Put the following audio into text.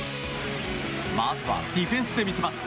まずはディフェンで魅せます。